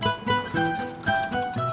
tati disuruh nyiram